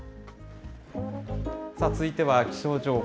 続いては気象情報、